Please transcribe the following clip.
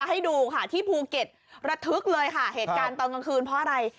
ให้ดูค่ะที่ภูเก็ตระทึกเลยค่ะเหตุการณ์ตอนกลางคืนเพราะอะไร